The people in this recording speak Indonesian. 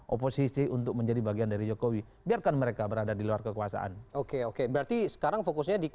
oposisi untuk menjadi bagian dari jokowi biarkan mereka berada di luar kekuasaan oke oke berarti sekarang fokusnya di